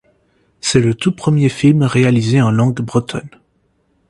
C'est le tout premier film réalisé en langue bretonne.